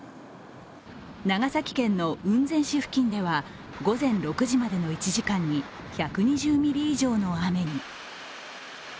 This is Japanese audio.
長崎県の雲仙市付近では午前６時までの１時間に１２０ミリ以上の雨に。